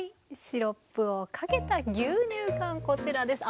シロップをかけた牛乳かんこちらです。